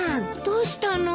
どうしたの？